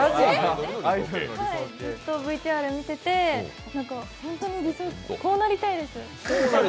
ずっとＶＴＲ見てて、本当に理想、こうなりたいです。